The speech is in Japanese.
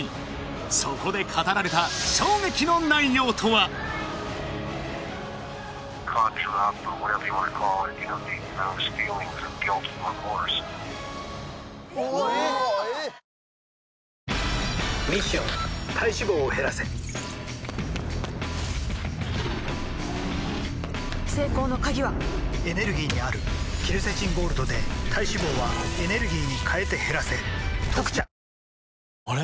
そこで語られた衝撃の内容とはミッション体脂肪を減らせ成功の鍵はエネルギーにあるケルセチンゴールドで体脂肪はエネルギーに変えて減らせ「特茶」あれ？